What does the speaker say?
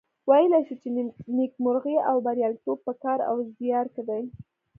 ویلای شو چې نیکمرغي او بریالیتوب په کار او زیار کې دي.